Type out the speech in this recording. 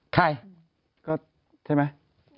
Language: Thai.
ใครก็ใช่ไหม